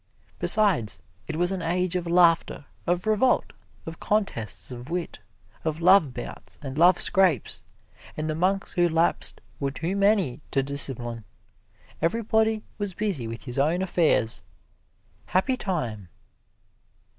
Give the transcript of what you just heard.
Besides, it was an age of laughter, of revolt, of contests of wit, of love bouts and love scrapes, and the monks who lapsed were too many to discipline. Everybody was busy with his own affairs. Happy time!